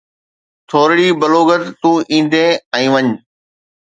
ٿورڙي بلوغت تون ايندين ۽ وڃ